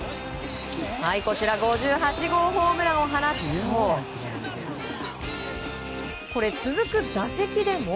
こちら５８号ホームランを放つと続く打席でも。